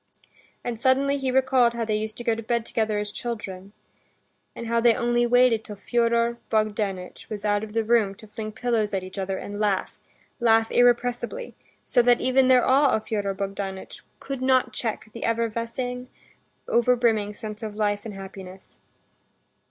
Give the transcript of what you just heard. And suddenly he recalled how they used to go to bed together as children, and how they only waited till Fyodor Bogdanitch was out of the room to fling pillows at each other and laugh, laugh irrepressibly, so that even their awe of Fyodor Bogdanitch could not check the effervescing, overbrimming sense of life and happiness.